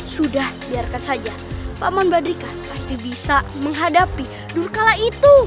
sudah biarkan saja pak man badrika pasti bisa menghadapi durkala itu